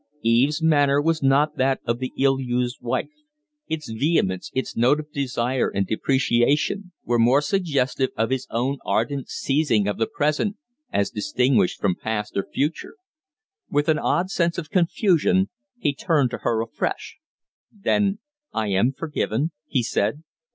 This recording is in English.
Eve's manner was not that of the ill used wife; its vehemence, its note of desire and depreciation, were more suggestive of his own ardent seizing of the present, as distinguished from past or future. With an odd sense of confusion he turned to her afresh. "Then I am forgiven?" he said.